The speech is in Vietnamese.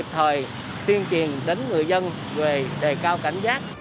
thời tuyên truyền đến người dân về đề cao cảnh giác